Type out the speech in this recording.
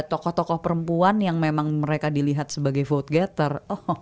tokoh tokoh perempuan yang memang mereka dilihat sebagai vote getter